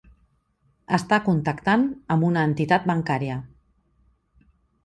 Està contactant amb una entitat bancària.